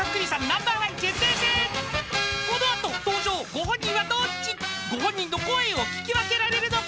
［ご本人の声を聴き分けられるのか⁉］